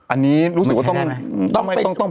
อันนี้รู้สึกว่าต้อง